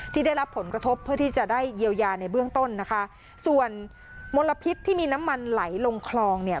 ได้รับผลกระทบเพื่อที่จะได้เยียวยาในเบื้องต้นนะคะส่วนมลพิษที่มีน้ำมันไหลลงคลองเนี่ย